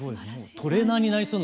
トレーナーになれそうな。